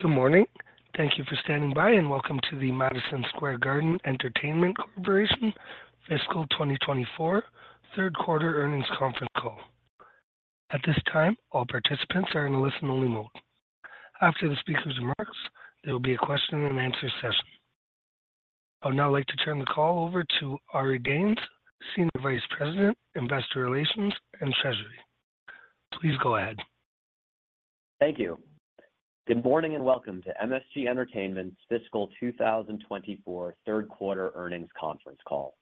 Good morning. Thank you for standing by and welcome to the Madison Square Garden Entertainment Corporation Fiscal 2024 Q3 Earnings Conference Call. At this time, all participants are in a listen-only mode. After the speaker's remarks, there will be a question-and-answer session. I would now like to turn the call over to Ari Danes, Senior Vice President, Investor Relations, and Treasury. Please go ahead. Thank you. Good morning and welcome to MSG Entertainment's Fiscal 2024 Q3 Earnings Conference Call.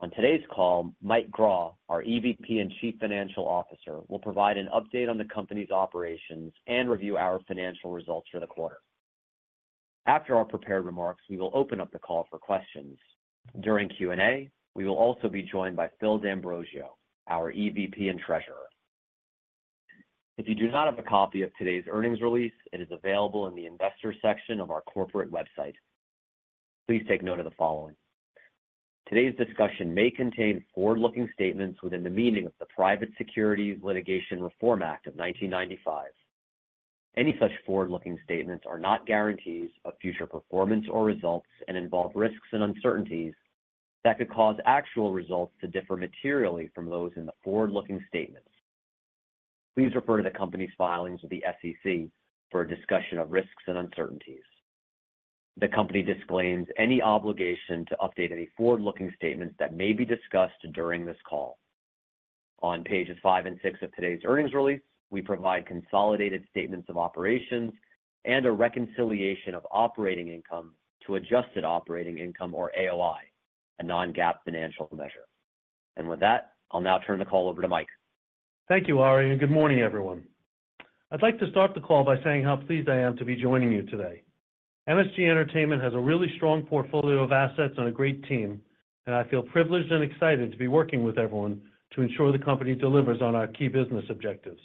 On today's call, Mike Grau, our EVP and Chief Financial Officer, will provide an update on the company's operations and review our financial results for the quarter. After our prepared remarks, we will open up the call for questions. During Q&A, we will also be joined by Phil D'Ambrosio, our EVP and Treasurer. If you do not have a copy of today's earnings release, it is available in the Investor section of our corporate website. Please take note of the following: today's discussion may contain forward-looking statements within the meaning of the Private Securities Litigation Reform Act of 1995. Any such forward-looking statements are not guarantees of future performance or results and involve risks and uncertainties that could cause actual results to differ materially from those in the forward-looking statements. Please refer to the company's filings with the SEC for a discussion of risks and uncertainties. The company disclaims any obligation to update any forward-looking statements that may be discussed during this call. On pages five and six of today's earnings release, we provide consolidated statements of operations and a reconciliation of operating income to adjusted operating income, or AOI, a non-GAAP financial measure. With that, I'll now turn the call over to Mike. Thank you, Ari, and good morning, everyone. I'd like to start the call by saying how pleased I am to be joining you today. MSG Entertainment has a really strong portfolio of assets and a great team, and I feel privileged and excited to be working with everyone to ensure the company delivers on our key business objectives.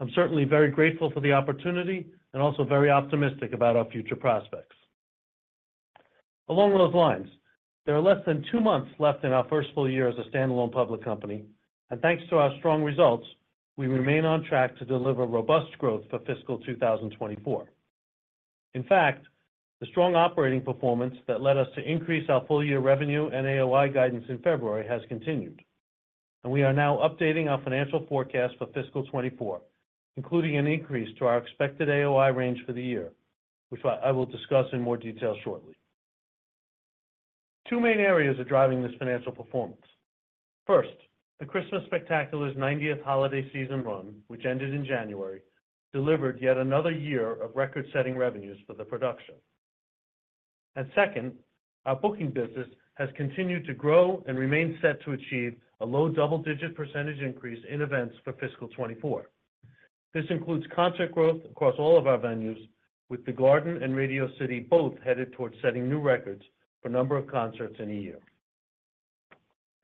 I'm certainly very grateful for the opportunity and also very optimistic about our future prospects. Along those lines, there are less than two months left in our first full year as a standalone public company, and thanks to our strong results, we remain on track to deliver robust growth for fiscal 2024. In fact, the strong operating performance that led us to increase our full-year revenue and AOI guidance in February has continued, and we are now updating our financial forecast for fiscal 2024, including an increase to our expected AOI range for the year, which I will discuss in more detail shortly. Two main areas are driving this financial performance. First, the Christmas Spectacular's 90th holiday season run, which ended in January, delivered yet another year of record-setting revenues for the production. Second, our booking business has continued to grow and remains set to achieve a low double-digit increase in events for fiscal 2024. This includes concert growth across all of our venues, with the Garden and Radio City both headed towards setting new records for a number of concerts in a year.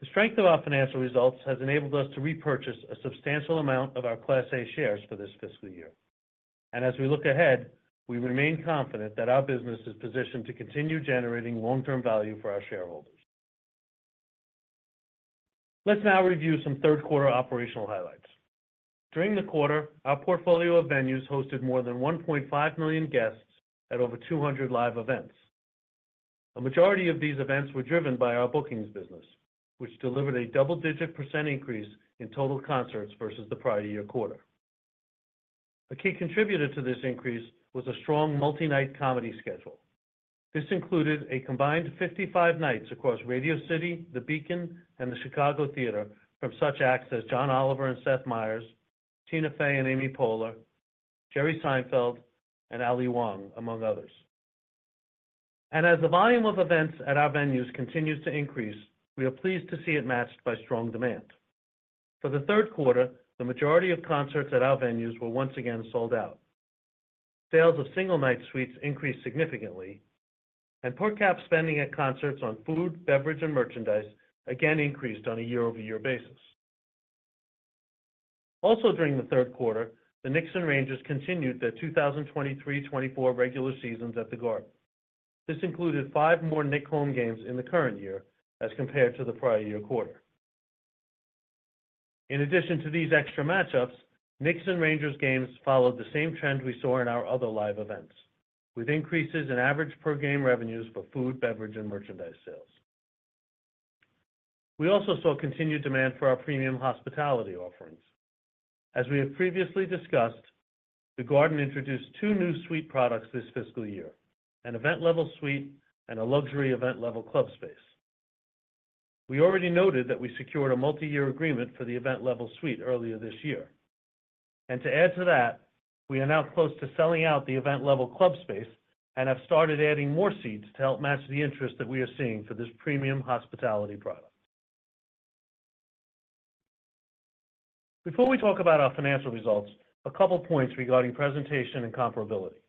The strength of our financial results has enabled us to repurchase a substantial amount of our Class A shares for this fiscal year. As we look ahead, we remain confident that our business is positioned to continue generating long-term value for our shareholders. Let's now review some Q3 operational highlights. During the quarter, our portfolio of venues hosted more than 1.5 million guests at over 200 live events. A majority of these events were driven by our bookings business, which delivered a double-digit percent increase in total concerts versus the prior year quarter. A key contributor to this increase was a strong multi-night comedy schedule. This included a combined 55 nights across Radio City, The Beacon, and The Chicago Theatre from such acts as John Oliver and Seth Meyers, Tina Fey and Amy Poehler, Jerry Seinfeld, and Ali Wong, among others. As the volume of events at our venues continues to increase, we are pleased to see it matched by strong demand. For the Q3, the majority of concerts at our venues were once again sold out. Sales of single-night suites increased significantly, and per cap spending at concerts on food, beverage, and merchandise again increased on a year-over-year basis. Also during the Q3, the Knicks and Rangers continued their 2023-24 regular seasons at the Garden. This included five more Knicks home games in the current year as compared to the prior year quarter. In addition to these extra matchups, Knicks and Rangers games followed the same trend we saw in our other live events, with increases in average per-game revenues for food, beverage, and merchandise sales. We also saw continued demand for our premium hospitality offerings. As we have previously discussed, the Garden introduced two new suite products this fiscal year: an Event-level suite and a luxury Event-level club space. We already noted that we secured a multi-year agreement for the Event-level suite earlier this year. And to add to that, we are now close to selling out the Event-level club space and have started adding more seats to help match the interest that we are seeing for this premium hospitality product. Before we talk about our financial results, a couple of points regarding presentation and comparability.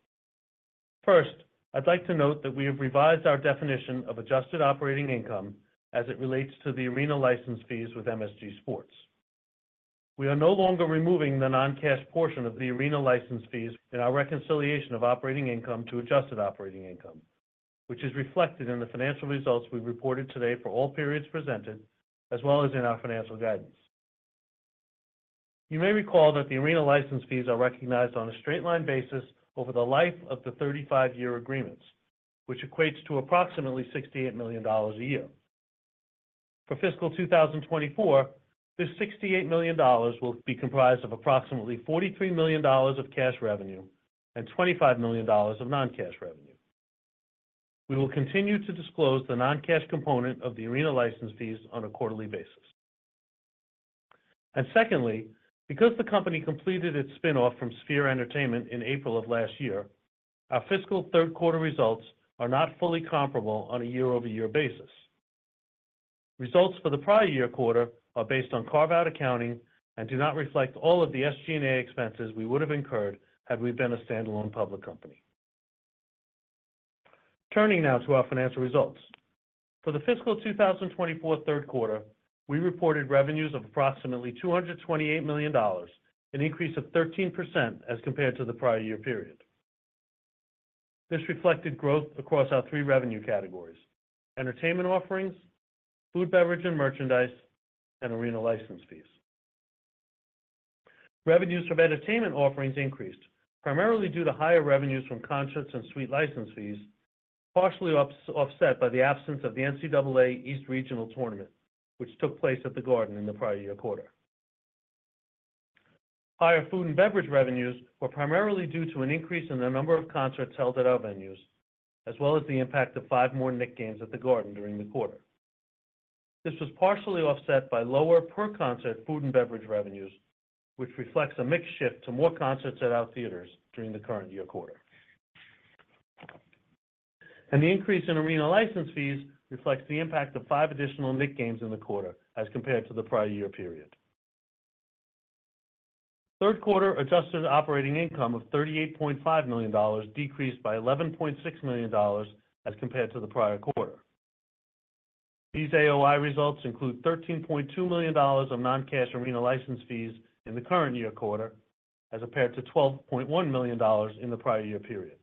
First, I'd like to note that we have revised our definition of Adjusted Operating Income as it relates to the arena license fees with MSG Sports. We are no longer removing the non-cash portion of the arena license fees in our reconciliation of operating income to adjusted operating income, which is reflected in the financial results we reported today for all periods presented, as well as in our financial guidance. You may recall that the arena license fees are recognized on a straight-line basis over the life of the 35-year agreements, which equates to approximately $68 million a year. For fiscal 2024, this $68 million will be comprised of approximately $43 million of cash revenue and $25 million of non-cash revenue. We will continue to disclose the non-cash component of the arena license fees on a quarterly basis. Secondly, because the company completed its spinoff from Sphere Entertainment in April of last year, our fiscal Q3 results are not fully comparable on a year-over-year basis. Results for the prior year quarter are based on carve-out accounting and do not reflect all of the SG&A expenses we would have incurred had we been a standalone public company. Turning now to our financial results. For the fiscal 2024 Q3, we reported revenues of approximately $228 million, an increase of 13% as compared to the prior year period. This reflected growth across our three revenue categories: entertainment offerings, food, beverage, and merchandise, and arena license fees. Revenues from entertainment offerings increased primarily due to higher revenues from concerts and suite license fees, partially offset by the absence of the NCAA East Regional Tournament, which took place at the Garden in the prior year quarter. Higher food and beverage revenues were primarily due to an increase in the number of concerts held at our venues, as well as the impact of five more Knicks games at the Garden during the quarter. This was partially offset by lower per-concert food and beverage revenues, which reflects a mix shift to more concerts at our theaters during the current year quarter. The increase in arena license fees reflects the impact of five additional Knicks games in the quarter as compared to the prior year period. Q3 adjusted operating income of $38.5 million decreased by $11.6 million as compared to the prior quarter. These AOI results include $13.2 million of non-cash arena license fees in the current year quarter as compared to $12.1 million in the prior year period.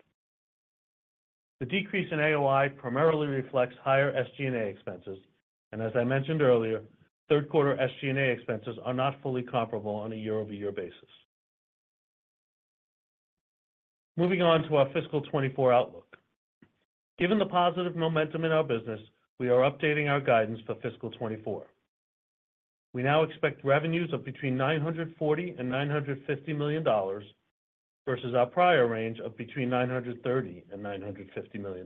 The decrease in AOI primarily reflects higher SG&A expenses, and as I mentioned earlier, Q3 SG&A expenses are not fully comparable on a year-over-year basis. Moving on to our fiscal 2024 outlook. Given the positive momentum in our business, we are updating our guidance for fiscal 2024. We now expect revenues of between $940 million-$950 million versus our prior range of between $930 million-$950 million.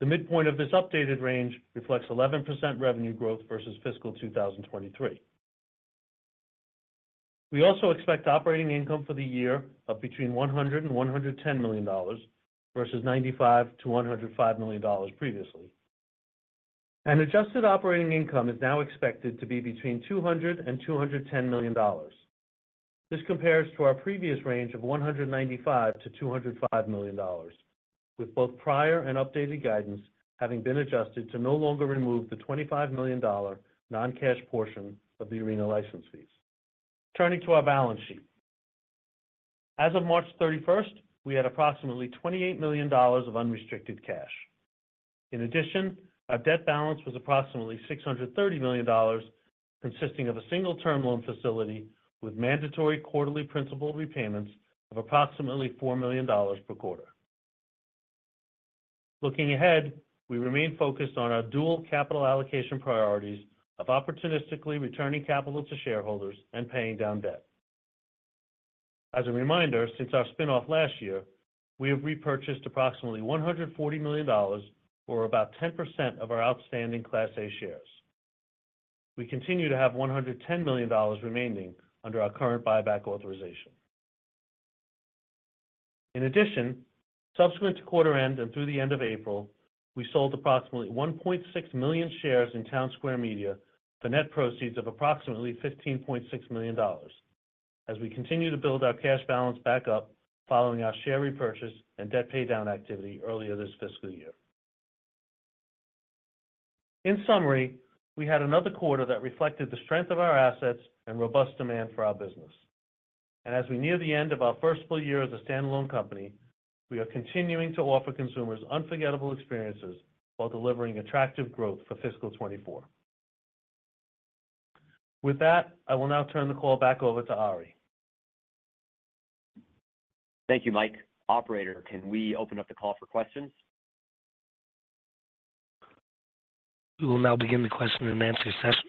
The midpoint of this updated range reflects 11% revenue growth versus fiscal 2023. We also expect operating income for the year of between $100 million-$110 million versus $95 million-$105 million previously. Adjusted operating income is now expected to be between $200 million-$210 million. This compares to our previous range of $195 million-$205 million, with both prior and updated guidance having been adjusted to no longer remove the $25 million non-cash portion of the arena license fees. Turning to our balance sheet. As of March 31st, we had approximately $28 million of unrestricted cash. In addition, our debt balance was approximately $630 million, consisting of a single-term loan facility with mandatory quarterly principal repayments of approximately $4 million per quarter. Looking ahead, we remain focused on our dual capital allocation priorities of opportunistically returning capital to shareholders and paying down debt. As a reminder, since our spinoff last year, we have repurchased approximately $140 million, or about 10% of our outstanding Class A shares. We continue to have $110 million remaining under our current buyback authorization. In addition, subsequent to quarter end and through the end of April, we sold approximately 1.6 million shares in Townsquare Media for net proceeds of approximately $15.6 million, as we continue to build our cash balance back up following our share repurchase and debt paydown activity earlier this fiscal year. In summary, we had another quarter that reflected the strength of our assets and robust demand for our business. As we near the end of our first full year as a standalone company, we are continuing to offer consumers unforgettable experiences while delivering attractive growth for fiscal 2024. With that, I will now turn the call back over to Ari. Thank you, Mike. Operator, can we open up the call for questions? We will now begin the question and answer session.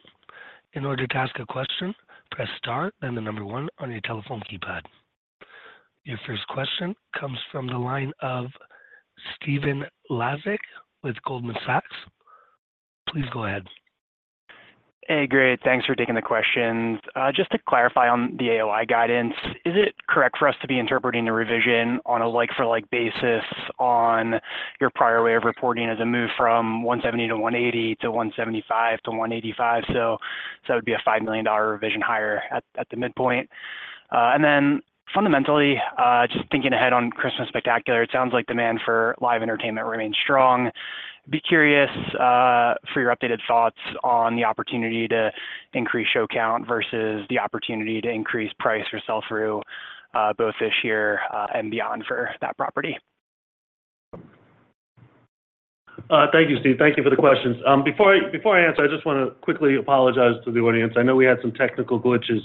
In order to ask a question, press start, then the number one on your telephone keypad. Your first question comes from the line of Stephen Laszczyk with Goldman Sachs. Please go ahead. Hey, great. Thanks for taking the questions. Just to clarify on the AOI guidance, is it correct for us to be interpreting the revision on a like-for-like basis on your prior way of reporting as a move from $170 million-$180 million to $175 million-$185 million? So that would be a $5 million revision higher at the midpoint. And then fundamentally, just thinking ahead on Christmas Spectacular, it sounds like demand for live entertainment remains strong. Be curious for your updated thoughts on the opportunity to increase show count versus the opportunity to increase price or sell through both this year and beyond for that property. Thank you, Steve. Thank you for the questions. Before I answer, I just want to quickly apologize to the audience. I know we had some technical glitches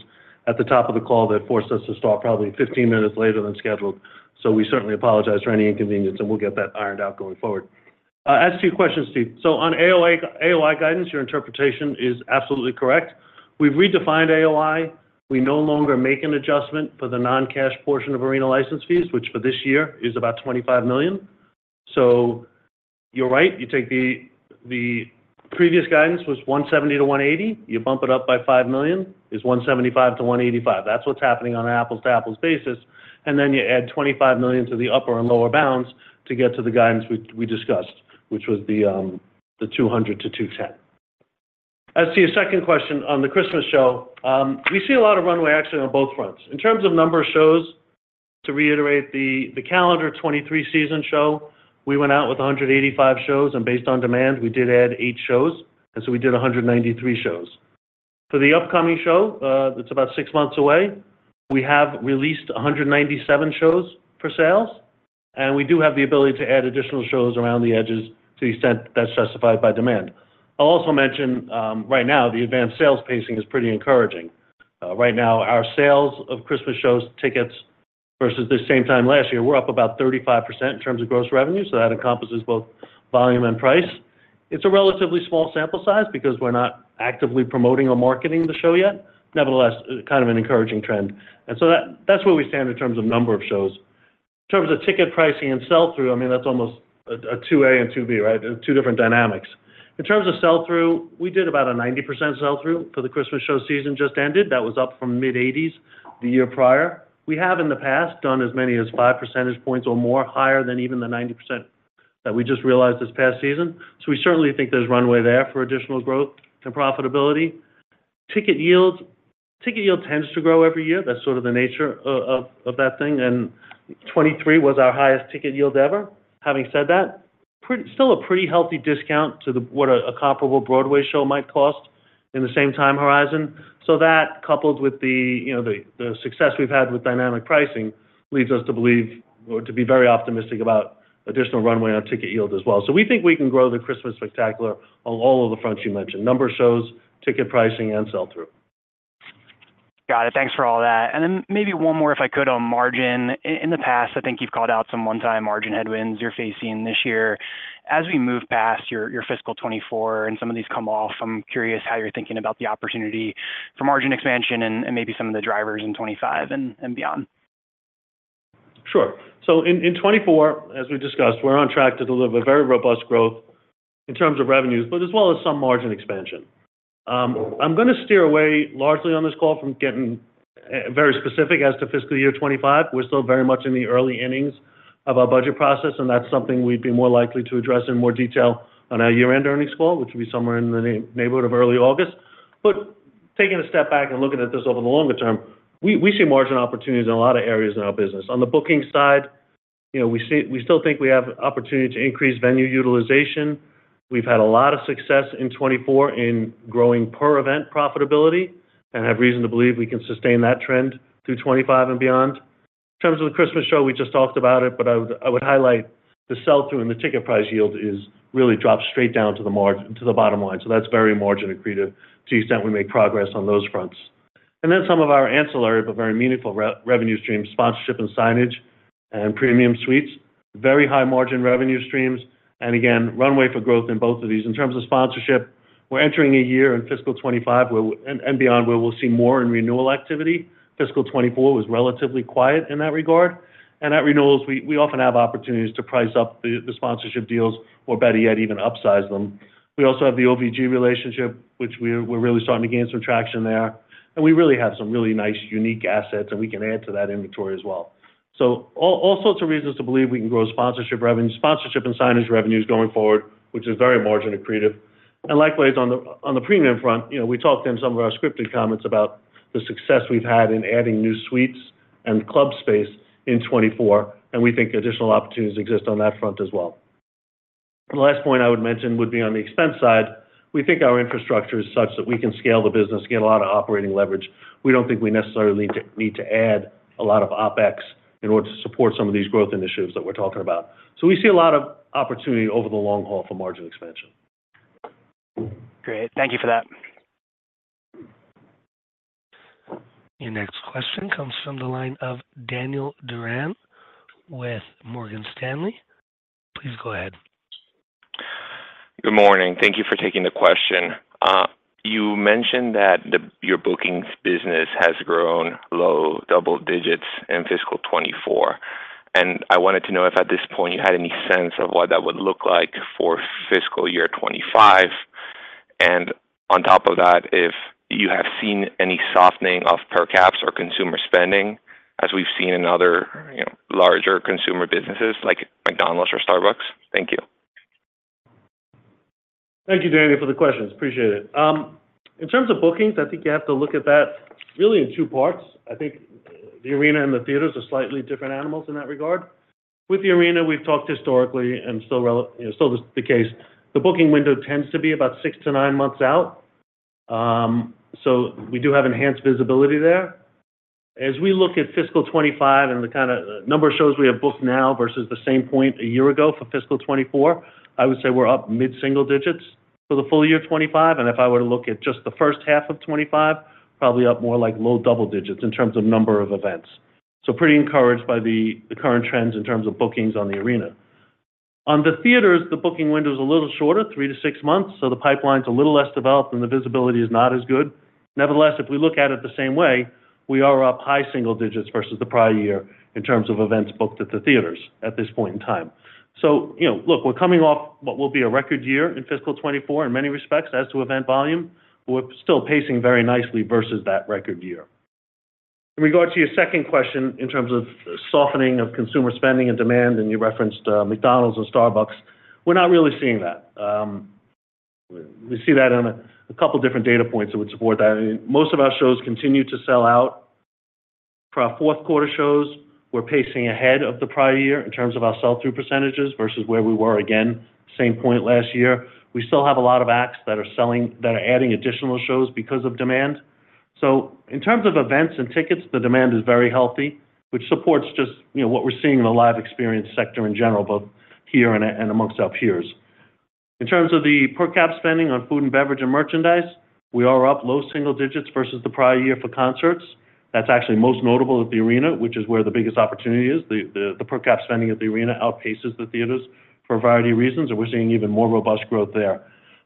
at the top of the call that forced us to stop probably 15 minutes later than scheduled. So we certainly apologize for any inconvenience, and we'll get that ironed out going forward. As to your question, Steve, so on AOI guidance, your interpretation is absolutely correct. We've redefined AOI. We no longer make an adjustment for the non-cash portion of arena license fees, which for this year is about $25 million. So you're right. You take the previous guidance, which was $170 million-$180 million, you bump it up by $5 million, is $175 million-$185 million. That's what's happening on an apples-to-apples basis. And then you add $25 million to the upper and lower bounds to get to the guidance we discussed, which was the $200 million-$210 million. As to your second question on the Christmas show, we see a lot of runway, actually, on both fronts. In terms of number of shows, to reiterate the calendar 2023 season show, we went out with 185 shows, and based on demand, we did add 8 shows. And so we did 193 shows. For the upcoming show, it's about 6 months away, we have released 197 shows for sales, and we do have the ability to add additional shows around the edges to the extent that's justified by demand. I'll also mention right now, the advanced sales pacing is pretty encouraging. Right now, our sales of Christmas show tickets versus the same time last year, we're up about 35% in terms of gross revenue. So that encompasses both volume and price. It's a relatively small sample size because we're not actively promoting or marketing the show yet. Nevertheless, kind of an encouraging trend. And so that's where we stand in terms of number of shows. In terms of ticket pricing and sell-through, I mean, that's almost a 2A and 2B, right? Two different dynamics. In terms of sell-through, we did about a 90% sell-through for the Christmas show season just ended. That was up from mid-80s% the year prior. We have, in the past, done as many as 5 percentage points or more, higher than even the 90% that we just realized this past season. So we certainly think there's runway there for additional growth and profitability. Ticket yield tends to grow every year. That's sort of the nature of that thing. And 2023 was our highest ticket yield ever. Having said that, still a pretty healthy discount to what a comparable Broadway show might cost in the same time horizon. So that, coupled with the success we've had with dynamic pricing, leads us to believe or to be very optimistic about additional runway on ticket yield as well. So we think we can grow the Christmas Spectacular on all of the fronts you mentioned: number of shows, ticket pricing, and sell-through. Got it. Thanks for all that. And then maybe one more, if I could, on margin. In the past, I think you've called out some one-time margin headwinds you're facing this year. As we move past your fiscal 2024 and some of these come off, I'm curious how you're thinking about the opportunity for margin expansion and maybe some of the drivers in 2025 and beyond. Sure. So in 2024, as we discussed, we're on track to deliver very robust growth in terms of revenues, but as well as some margin expansion. I'm going to steer away largely on this call from getting very specific as to fiscal year 2025. We're still very much in the early innings of our budget process, and that's something we'd be more likely to address in more detail on our year-end earnings call, which would be somewhere in the neighborhood of early August. But taking a step back and looking at this over the longer term, we see margin opportunities in a lot of areas in our business. On the booking side, we still think we have opportunity to increase venue utilization. We've had a lot of success in 2024 in growing per-event profitability and have reason to believe we can sustain that trend through 2025 and beyond. In terms of the Christmas show, we just talked about it, but I would highlight the sell-through and the ticket price yield really drop straight down to the bottom line. So that's very margin accretive to the extent we make progress on those fronts. And then some of our ancillary, but very meaningful revenue streams: sponsorship and signage and premium suites, very high margin revenue streams. And again, runway for growth in both of these. In terms of sponsorship, we're entering a year in fiscal 2025 and beyond where we'll see more in renewal activity. fiscal 2024 was relatively quiet in that regard. And at renewals, we often have opportunities to price up the sponsorship deals or, better yet, even upsize them. We also have the OVG relationship, which we're really starting to gain some traction there. And we really have some really nice, unique assets, and we can add to that inventory as well. So all sorts of reasons to believe we can grow sponsorship and signage revenues going forward, which is very margin accretive. And likewise, on the premium front, we talked in some of our scripted comments about the success we've had in adding new suites and club space in 2024, and we think additional opportunities exist on that front as well. The last point I would mention would be on the expense side. We think our infrastructure is such that we can scale the business, get a lot of operating leverage. We don't think we necessarily need to add a lot of OpEx in order to support some of these growth initiatives that we're talking about. So we see a lot of opportunity over the long haul for margin expansion. Great. Thank you for that. Your next question comes from the line of Daniel Duran with Morgan Stanley. Please go ahead. Good morning. Thank you for taking the question. You mentioned that your bookings business has grown low double digits in fiscal 2024. I wanted to know if, at this point, you had any sense of what that would look like for fiscal year 2025. On top of that, if you have seen any softening of per caps or consumer spending as we've seen in other larger consumer businesses like McDonald's or Starbucks. Thank you. Thank you, Danny, for the questions. Appreciate it. In terms of bookings, I think you have to look at that really in two parts. I think the arena and the theaters are slightly different animals in that regard. With the arena, we've talked historically, and still the case, the booking window tends to be about six to nine months out. So we do have enhanced visibility there. As we look at fiscal 2025 and the kind of number of shows we have booked now versus the same point a year ago for fiscal 2024, I would say we're up mid-single digits for the full year 2025. And if I were to look at just the H1 of 2025, probably up more like low double digits in terms of number of events. So pretty encouraged by the current trends in terms of bookings on the arena. On the theaters, the booking window is a little shorter, three to six months. So the pipeline's a little less developed, and the visibility is not as good. Nevertheless, if we look at it the same way, we are up high single digits versus the prior year in terms of events booked at the theaters at this point in time. So look, we're coming off what will be a record year in fiscal 2024 in many respects as to event volume. We're still pacing very nicely versus that record year. In regard to your second question in terms of softening of consumer spending and demand, and you referenced McDonald's and Starbucks, we're not really seeing that. We see that in a couple of different data points that would support that. Most of our shows continue to sell out. For our fourth-quarter shows, we're pacing ahead of the prior year in terms of our sell-through percentages versus where we were, again, same point last year. We still have a lot of acts that are adding additional shows because of demand. So in terms of events and tickets, the demand is very healthy, which supports just what we're seeing in the live experience sector in general, both here and amongst our peers. In terms of the per cap spending on food and beverage and merchandise, we are up low single digits versus the prior year for concerts. That's actually most notable at the arena, which is where the biggest opportunity is. The per cap spending at the arena outpaces the theaters for a variety of reasons, and we're seeing even more robust growth there.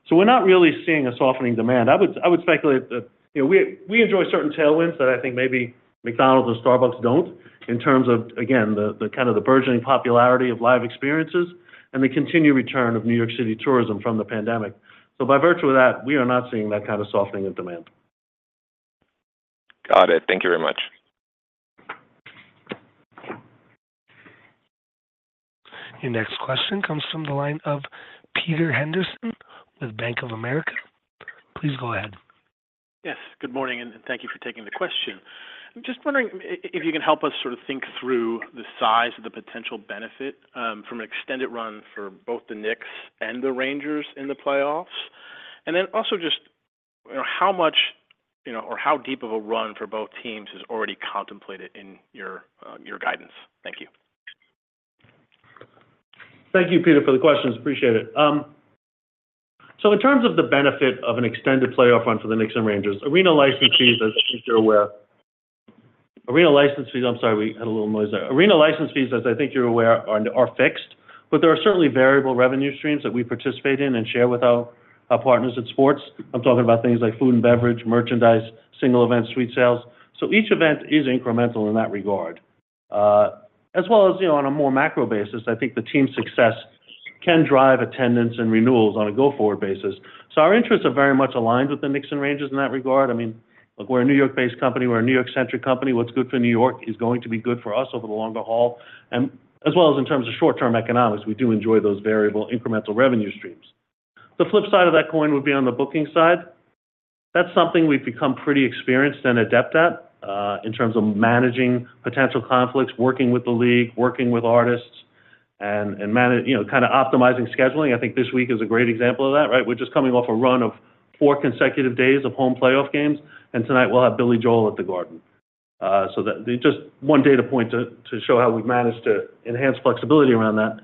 So we're not really seeing a softening demand. I would speculate that we enjoy certain tailwinds that I think maybe McDonald's and Starbucks don't in terms of, again, kind of the burgeoning popularity of live experiences and the continued return of New York City tourism from the pandemic. So by virtue of that, we are not seeing that kind of softening of demand. Got it. Thank you very much. Your next question comes from the line of Peter Henderson with Bank of America. Please go ahead. Yes. Good morning, and thank you for taking the question. I'm just wondering if you can help us sort of think through the size of the potential benefit from an extended run for both the Knicks and the Rangers in the playoffs, and then also just how much or how deep of a run for both teams is already contemplated in your guidance. Thank you. Thank you, Peter, for the questions. Appreciate it. So in terms of the benefit of an extended playoff run for the Knicks and Rangers, arena license fees, as I think you're aware, are fixed, but there are certainly variable revenue streams that we participate in and share with our partners in sports. I'm talking about things like food and beverage, merchandise, single event suite sales. So each event is incremental in that regard. As well as on a more macro basis, I think the team's success can drive attendance and renewals on a go-forward basis. So our interests are very much aligned with the Knicks and Rangers in that regard. I mean, look, we're a New York-based company. We're a New York-centric company. What's good for New York is going to be good for us over the longer haul. And as well as in terms of short-term economics, we do enjoy those variable, incremental revenue streams. The flip side of that coin would be on the booking side. That's something we've become pretty experienced and adept at in terms of managing potential conflicts, working with the league, working with artists, and kind of optimizing scheduling. I think this week is a great example of that, right? We're just coming off a run of four consecutive days of home playoff games, and tonight, we'll have Billy Joel at the Garden. So just one data point to show how we've managed to enhance flexibility around that.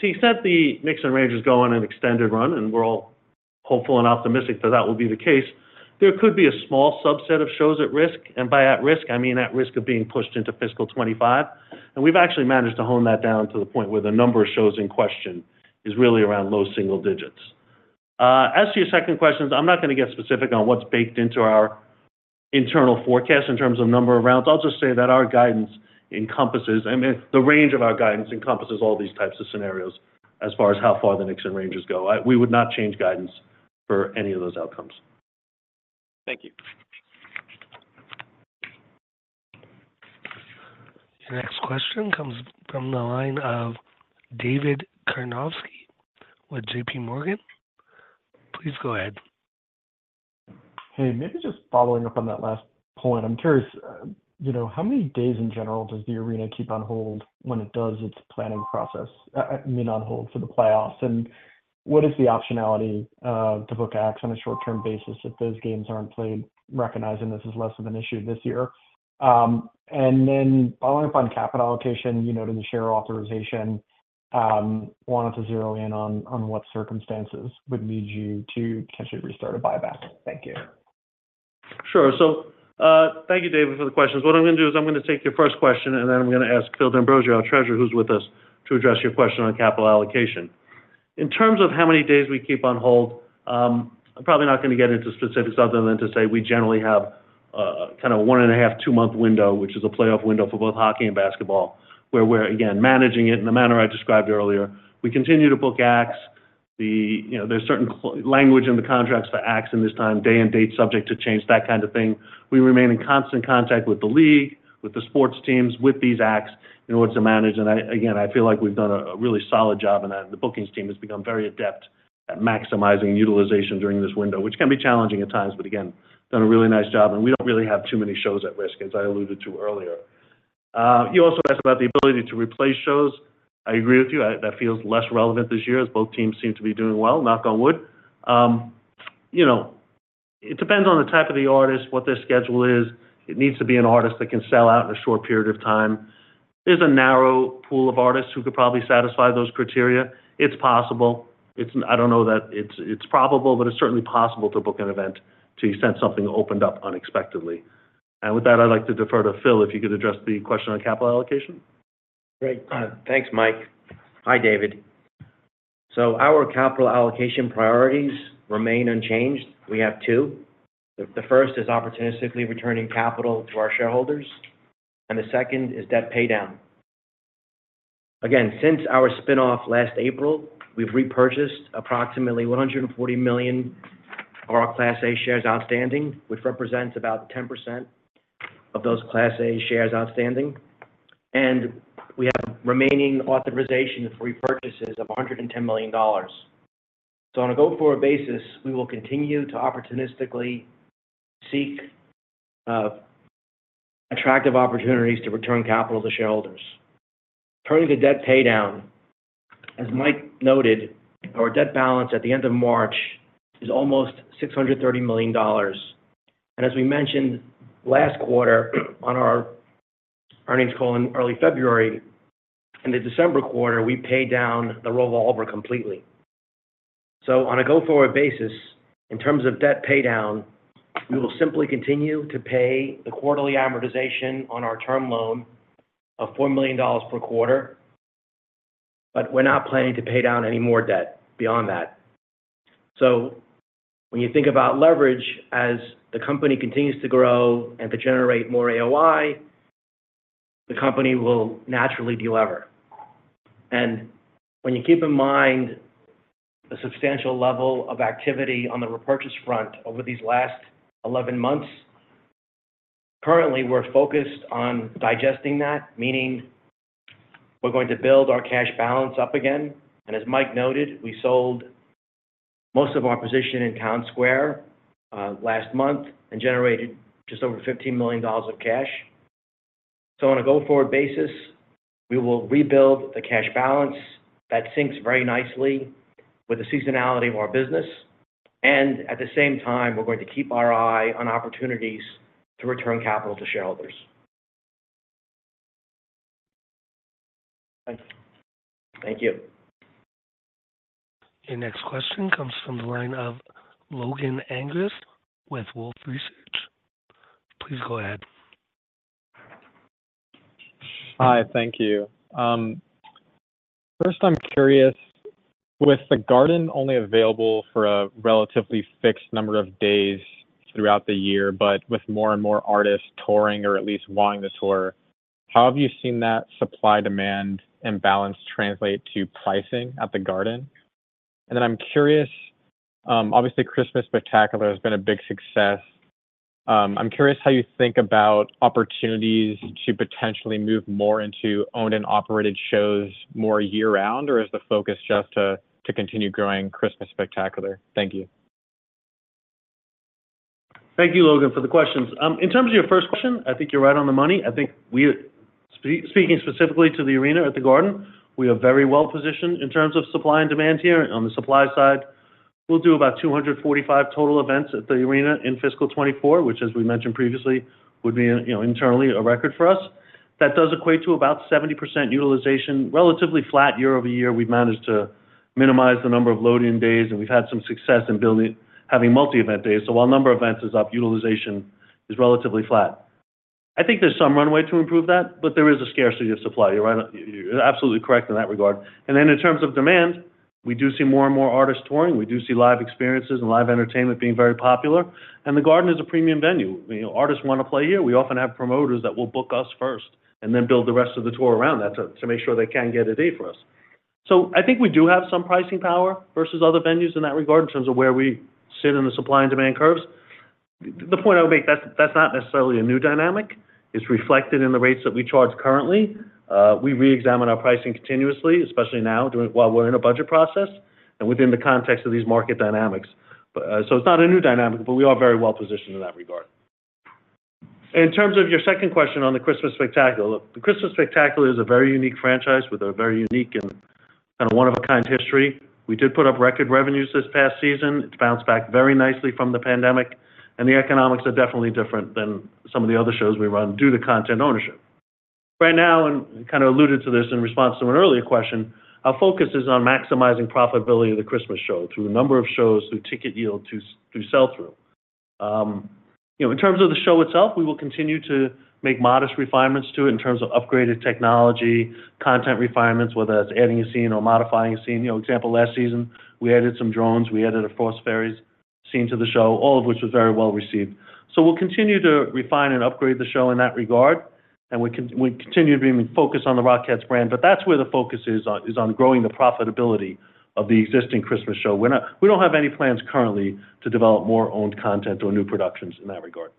So to the extent the Knicks and Rangers go on an extended run, and we're all hopeful and optimistic that that will be the case, there could be a small subset of shows at risk. And by at risk, I mean at risk of being pushed into fiscal 2025. And we've actually managed to hone that down to the point where the number of shows in question is really around low single digits. As to your second questions, I'm not going to get specific on what's baked into our internal forecast in terms of number of rounds. I'll just say that our guidance encompasses I mean, the range of our guidance encompasses all these types of scenarios as far as how far the Knicks and Rangers go. We would not change guidance for any of those outcomes. Thank you. Your next question comes from the line of David Karnovsky with J.P. Morgan. Please go ahead. Hey, maybe just following up on that last point. I'm curious, how many days, in general, does the arena keep on hold when it does its planning process? I mean, on hold for the playoffs? And what is the optionality to book acts on a short-term basis if those games aren't played, recognizing this is less of an issue this year? And then following up on capital allocation, you noted the share authorization. Wanted to zero in on what circumstances would lead you to potentially restart a buyback. Thank you. Sure. So thank you, David, for the questions. What I'm going to do is I'm going to take your first question, and then I'm going to ask Phil D'Ambrosio, our Treasurer, who's with us, to address your question on capital allocation. In terms of how many days we keep on hold, I'm probably not going to get into specifics other than to say we generally have kind of a 1.5-2-month window, which is a playoff window for both hockey and basketball, where we're, again, managing it in the manner I described earlier. We continue to book acts. There's certain language in the contracts for acts in this time, day and date subject to change, that kind of thing. We remain in constant contact with the league, with the sports teams, with these acts in order to manage. And again, I feel like we've done a really solid job in that. The bookings team has become very adept at maximizing utilization during this window, which can be challenging at times, but again, done a really nice job. And we don't really have too many shows at risk, as I alluded to earlier. You also asked about the ability to replace shows. I agree with you. That feels less relevant this year as both teams seem to be doing well. Knock on wood. It depends on the type of the artist, what their schedule is. It needs to be an artist that can sell out in a short period of time. There's a narrow pool of artists who could probably satisfy those criteria. It's possible. I don't know that it's probable, but it's certainly possible to book an event to the extent something opened up unexpectedly. With that, I'd like to defer to Phil if you could address the question on capital allocation. Great. Thanks, Mike. Hi, David. Our capital allocation priorities remain unchanged. We have two. The first is opportunistically returning capital to our shareholders, and the second is debt paydown. Again, since our spinoff last April, we've repurchased approximately 140 million of our Class A shares outstanding, which represents about 10% of those Class A shares outstanding. We have remaining authorization for repurchases of $110 million. On a go-forward basis, we will continue to opportunistically seek attractive opportunities to return capital to shareholders. Turning to debt paydown, as Mike noted, our debt balance at the end of March is almost $630 million. As we mentioned last quarter on our earnings call in early February and the December quarter, we pay down the roll over completely. So on a go-forward basis, in terms of debt paydown, we will simply continue to pay the quarterly amortization on our term loan of $4 million per quarter, but we're not planning to pay down any more debt beyond that. So when you think about leverage, as the company continues to grow and to generate more AOI, the company will naturally deliver. And when you keep in mind the substantial level of activity on the repurchase front over these last 11 months, currently, we're focused on digesting that, meaning we're going to build our cash balance up again. And as Mike noted, we sold most of our position in Townsquare last month and generated just over $15 million of cash. So on a go-forward basis, we will rebuild the cash balance. That syncs very nicely with the seasonality of our business. At the same time, we're going to keep our eye on opportunities to return capital to shareholders. Thank you. Thank you. Your next question comes from the line of Logan Angress with Wolfe Research. Please go ahead. Hi. Thank you. First, I'm curious, with the Garden only available for a relatively fixed number of days throughout the year, but with more and more artists touring or at least wanting to tour, how have you seen that supply-demand imbalance translate to pricing at the Garden? And then I'm curious, obviously, Christmas Spectacular has been a big success. I'm curious how you think about opportunities to potentially move more into owned and operated shows more year-round, or is the focus just to continue growing Christmas Spectacular? Thank you. Thank you, Logan, for the questions. In terms of your first question, I think you're right on the money. I think speaking specifically to the arena at the Garden, we are very well positioned in terms of supply and demand here on the supply side. We'll do about 245 total events at the arena in fiscal 2024, which, as we mentioned previously, would be internally a record for us. That does equate to about 70% utilization. Relatively flat year-over-year, we've managed to minimize the number of load-in days, and we've had some success in having multi-event days. So while number of events is up, utilization is relatively flat. I think there's some runway to improve that, but there is a scarcity of supply. You're absolutely correct in that regard. And then in terms of demand, we do see more and more artists touring. We do see live experiences and live entertainment being very popular. The Garden is a premium venue. Artists want to play here. We often have promoters that will book us first and then build the rest of the tour around that to make sure they can get a day for us. I think we do have some pricing power versus other venues in that regard in terms of where we sit in the supply and demand curves. The point I would make, that's not necessarily a new dynamic. It's reflected in the rates that we charge currently. We reexamine our pricing continuously, especially now while we're in a budget process and within the context of these market dynamics. It's not a new dynamic, but we are very well positioned in that regard. In terms of your second question on the Christmas Spectacular, look, the Christmas Spectacular is a very unique franchise with a very unique and kind of one-of-a-kind history. We did put up record revenues this past season. It bounced back very nicely from the pandemic. And the economics are definitely different than some of the other shows we run due to content ownership. Right now, and kind of alluded to this in response to an earlier question, our focus is on maximizing profitability of the Christmas show through a number of shows, through ticket yield, through sell-through. In terms of the show itself, we will continue to make modest refinements to it in terms of upgraded technology, content refinements, whether that's adding a scene or modifying a scene. Example, last season, we added some drones. We added a Frost Fairies scene to the show, all of which was very well received. So we'll continue to refine and upgrade the show in that regard. We continue to be focused on the Rockettes brand. That's where the focus is on growing the profitability of the existing Christmas show. We don't have any plans currently to develop more owned content or new productions in that regard.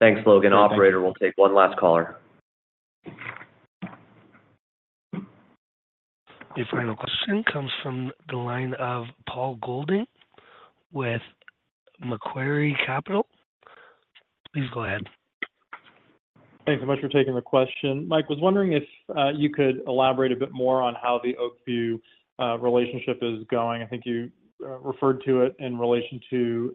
Thanks, Logan. Operator will take one last caller. Your final question comes from the line of Paul Golding with Macquarie Capital. Please go ahead. Thanks so much for taking the question. Mike, was wondering if you could elaborate a bit more on how the Oak View relationship is going. I think you referred to it in relation to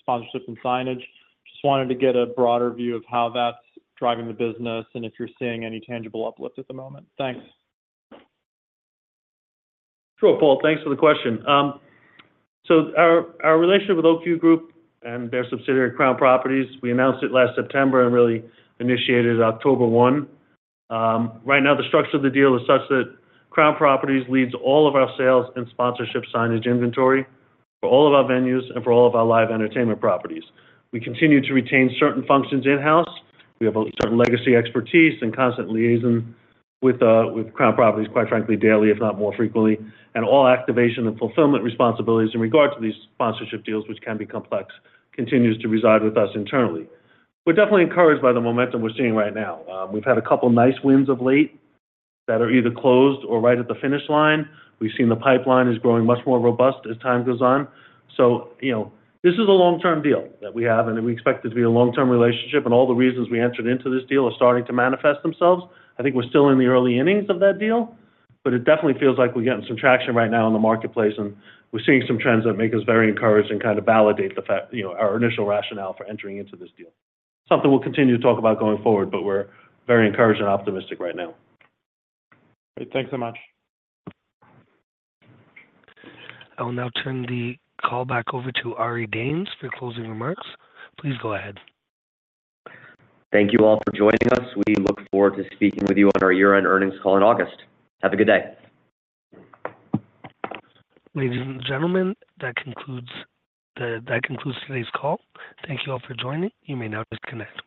sponsorship and signage. Just wanted to get a broader view of how that's driving the business and if you're seeing any tangible uplift at the moment. Thanks. Sure, Paul. Thanks for the question. So our relationship with Oak View Group and their subsidiary, Crown Properties, we announced it last September and really initiated October 1. Right now, the structure of the deal is such that Crown Properties leads all of our sales and sponsorship signage inventory for all of our venues and for all of our live entertainment properties. We continue to retain certain functions in-house. We have a certain legacy expertise and constant liaison with Crown Properties, quite frankly, daily, if not more frequently. And all activation and fulfillment responsibilities in regard to these sponsorship deals, which can be complex, continues to reside with us internally. We're definitely encouraged by the momentum we're seeing right now. We've had a couple of nice wins of late that are either closed or right at the finish line. We've seen the pipeline is growing much more robust as time goes on. So this is a long-term deal that we have, and we expect it to be a long-term relationship. And all the reasons we entered into this deal are starting to manifest themselves. I think we're still in the early innings of that deal, but it definitely feels like we're getting some traction right now in the marketplace, and we're seeing some trends that make us very encouraged and kind of validate our initial rationale for entering into this deal. Something we'll continue to talk about going forward, but we're very encouraged and optimistic right now. Great. Thanks so much. I will now turn the call back over to Ari Danes for closing remarks. Please go ahead. Thank you all for joining us. We look forward to speaking with you on our year-end earnings call in August. Have a good day. Ladies and gentlemen, that concludes today's call. Thank you all for joining. You may now disconnect.